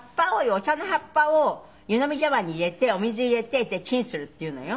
お茶の葉っぱを湯飲み茶碗に入れてお水を入れてチンするっていうのよ。